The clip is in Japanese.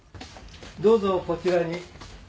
「どうぞこちらに」